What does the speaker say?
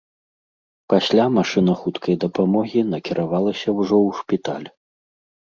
Пасля машына хуткай дапамогі накіравалася ўжо ў шпіталь.